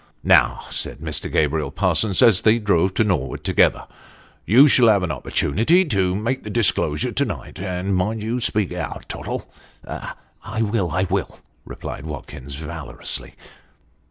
"Now," said Mr. Gabriel Parsons, as they drove to Norwood together " you shall have an opportunity to make the disclosure to night, and mind you speak out, Tottle." "I will I will !" replied Watkins, valorously.